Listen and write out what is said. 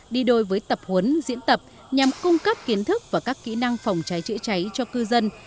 đi đôi với tập huấn diễn tập nhằm cung cấp kiến thức và các kỹ năng phòng cháy chữa cháy cho cư dân